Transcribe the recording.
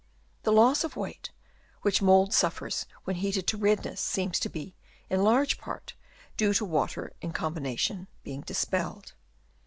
The loss of weight which mould suffers when heated to redness seems to be in large part due to water in com bination being dispelled.